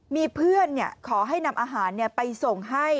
มีเพื่อนขอให้นำอาหารไปส่งให้